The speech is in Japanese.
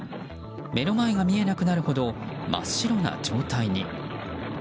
目の前が見えなくなるほど真っ白な状態に。